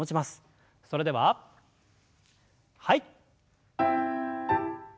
それでははい。